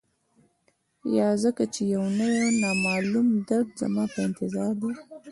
یا ځکه چي یو نوی، نامعلوم درد زما په انتظار دی